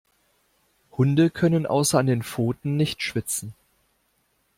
Hunde können außer an den Pfoten nicht schwitzen.